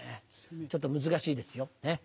ちょっと難しいですよ